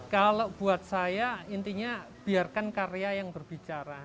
kalau buat saya intinya biarkan karya yang berbicara